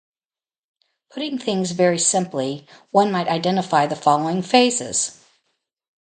Putting things very simply, one might identify the following phases.